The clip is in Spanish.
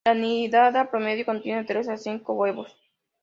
La nidada promedio contiene tres a cinco huevos.